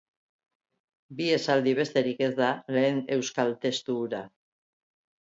Bi esaldi besterik ez da lehen euskal testu hura.